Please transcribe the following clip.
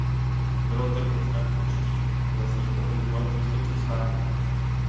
Bylo tak možné v určitých mezích ovlivňovat místo přistání.